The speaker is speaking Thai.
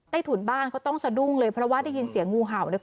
ถุนบ้านเขาต้องสะดุ้งเลยเพราะว่าได้ยินเสียงงูเห่าเลยคุณ